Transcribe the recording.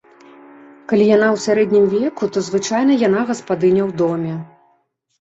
Калі яна ў сярэднім веку, то звычайна яна гаспадыня ў доме.